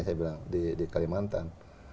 saya bilang di kalimantan